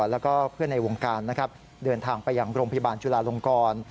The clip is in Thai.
แล้วก็เพื่อนในวงการนะครับเดินทางไปยังโรงพยาบาลจุลาลงกร